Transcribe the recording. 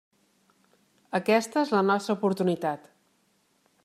Aquesta és la nostra oportunitat.